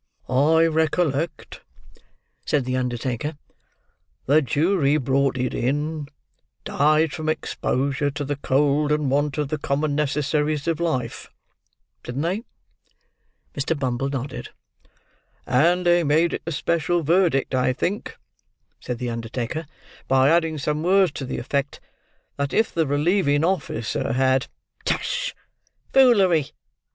"I recollect," said the undertaker. "The jury brought it in, 'Died from exposure to the cold, and want of the common necessaries of life,' didn't they?" Mr. Bumble nodded. "And they made it a special verdict, I think," said the undertaker, "by adding some words to the effect, that if the relieving officer had—" "Tush! Foolery!"